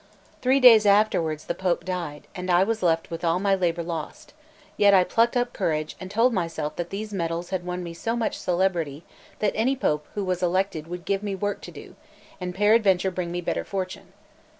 Three days afterwards the Pope died, and I was left with all my labour lost; yet I plucked up courage, and told myself that these medals had won me so much celebrity, that any Pope who was elected would give me work to do, and peradventure bring me better fortune.